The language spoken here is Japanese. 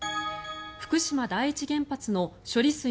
福島第一原発の処理